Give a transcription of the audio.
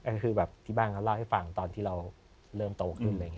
ก็คือแบบที่บ้านเราเล่าให้ฟังตอนที่เราเริ่มโตขึ้นเลย